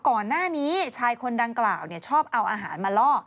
ก่อนหน้านี้ชายคนดังกล่าวชอบเอาอาหารมาล่อ